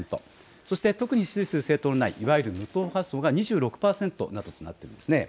そして特に支持する政党のない、いわゆる無党派層が２６％などとなっています。